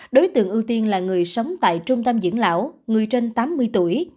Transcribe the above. đối tượng ưu tiên là người sống tại trung tâm dưỡng lão người trên tám mươi tuổi